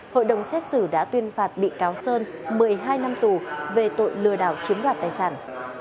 hội đồng xét xử đã tuyên phạt bị cáo sơn một mươi hai năm tù về tội lừa đảo chiếm đoạt tài sản